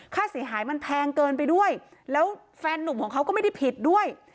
ค่าเสียหายมันแพงเกินไปด้วยแล้วแฟนนุ่มของเขาก็ไม่ได้ผิดด้วย